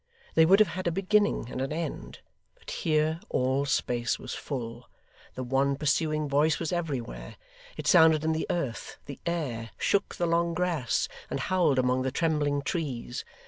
They would have had a beginning and an end, but here all space was full. The one pursuing voice was everywhere: it sounded in the earth, the air; shook the long grass, and howled among the trembling trees.